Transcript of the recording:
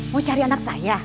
mau cari anak saya